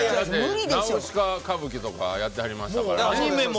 「ナウシカ歌舞伎」とかやってはりましたからね。